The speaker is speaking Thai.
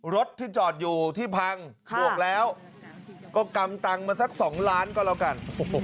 รถที่จอดอยู่ที่พังบวกแล้วก็กำตังค์มาสัก๒ล้านก็แล้วกัน